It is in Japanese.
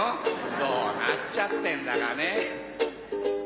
どうなっちゃってんだかね。